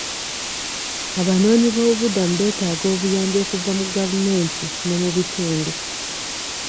Abanoonyi b'obubudami beetaaga obuyambi okuva mu gavumenti ne mu bitundu.